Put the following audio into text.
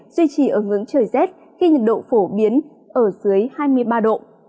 duy trì ở ngưỡng trời rét khi nhiệt độ phổ biến ở dưới hai mươi ba độ